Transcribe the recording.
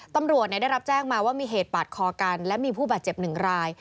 ตำรวจได้รับแจ้งมาว่ามีเหตุปาดคอกันและมีผู้บาดเจ็บหนึ่งราย